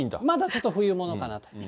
まだちょっと冬物かなと。